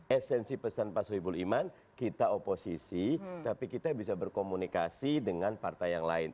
esensi pesan pak soebul iman kita oposisi tapi kita bisa berkomunikasi dengan partai yang lain